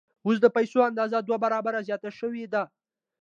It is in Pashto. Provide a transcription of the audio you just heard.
اوس د پیسو اندازه دوه برابره زیاته شوې ده